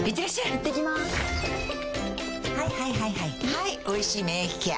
はい「おいしい免疫ケア」